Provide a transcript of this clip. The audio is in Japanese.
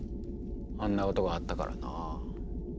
あんなことがあったからなぁ。